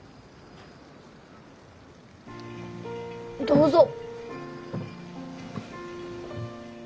どうぞ。